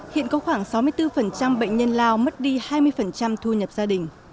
hiện có khoảng sáu mươi bốn bệnh nhân lao mất đi hai mươi thu nhập gia đình